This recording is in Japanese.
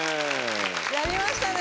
やりましたね。